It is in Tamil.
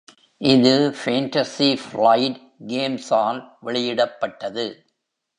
இது, ஃபேண்டஸி ஃபிளைட் கேம்ஸால் வெளியிடப்பட்டது.